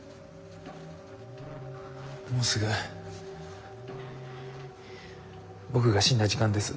もうすぐ僕が死んだ時間です。